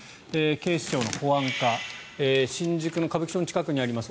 警視庁保安課新宿・歌舞伎町の近くにあります